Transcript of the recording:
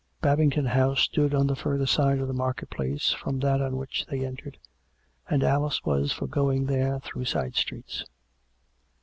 Babington House stood on the further side of the market place from that on which they entered, and Alice was for going there through side streets.